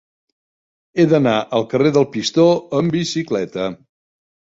He d'anar al carrer del Pistó amb bicicleta.